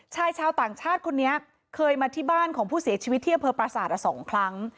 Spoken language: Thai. ชายชาวต่างชาติคนนี้เคยมาที่บ้านของผู้เสียชีวิตที่อำเภอประสาท๒ครั้ง